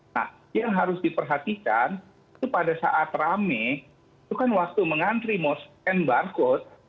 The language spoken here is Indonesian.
nah yang harus diperhatikan itu pada saat rame itu kan waktu mengantri mau scan barcode